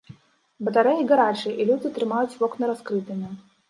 Батарэі гарачыя і людзі трымаюць вокны раскрытымі.